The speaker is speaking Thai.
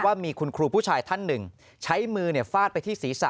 ว่ามีคุณครูผู้ชายท่านหนึ่งใช้มือฟาดไปที่ศีรษะ